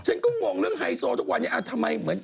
ฉันก็งงเรื่องไฮโซทุกวันนี้ทำไมเหมือน